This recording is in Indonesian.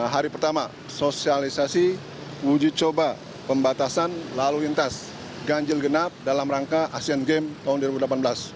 hari pertama sosialisasi uji coba pembatasan lalu lintas ganjil genap dalam rangka asean games tahun dua ribu delapan belas